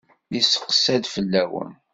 Yesseqsa-d fell-awen.